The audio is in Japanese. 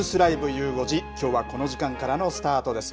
ゆう５時、きょうはこの時間からのスタートです。